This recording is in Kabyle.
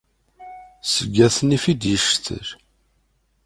Seg at nnif i d-yectel.